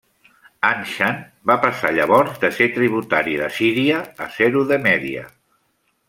Anshan va passar llavors de ser tributari d'Assíria a ser-ho de Mèdia.